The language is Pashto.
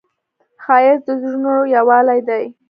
ښایست د زړونو یووالی دی